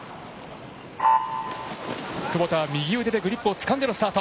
窪田は右腕でグリップをつかんでのスタート。